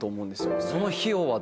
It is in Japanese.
その費用は？